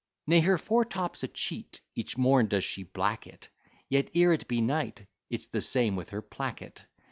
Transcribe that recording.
Nay, her foretop's a cheat; each morn she does black it, Yet, ere it be night, it's the same with her placket.